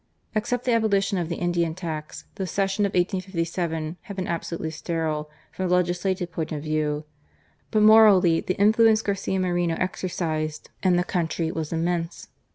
Except the abolition of the Indian tax, this session of 1857 '^^id been absolutely sterile from a legislative point of view. But morally the influence Garcia Moreno exercised in the country was immense.